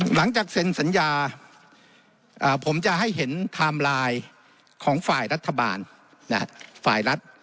หลังจากเซ็นสัญญาผมจะให้เห็นไทม์ไลน์ของฝ่ายรัฐบาลฝ่ายรัฐ